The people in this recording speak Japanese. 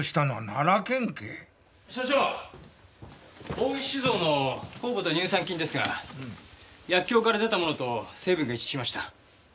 大石酒造の酵母と乳酸菌ですが薬莢から出たものと成分が一致しました。